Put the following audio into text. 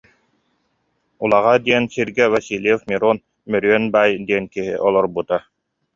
Улаҕа диэн сиргэ Васильев Мирон-Мөрүөн баай диэн киһи олорбута